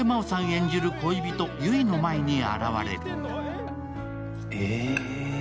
演じる恋人・悠依の前に現れる。